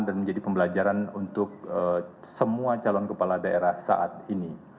dan menjadi pembelajaran untuk semua calon kepala daerah saat ini